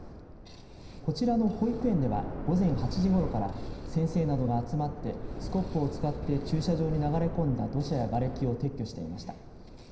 こちらの保育園では午前８時ごろから先生などが集まってスコップを使って駐車場に流れ込んだ土砂やがれきを撤去していました。